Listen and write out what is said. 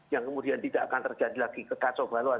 yang kemudian tidak akan terjadi lagi kekacauan kebacauan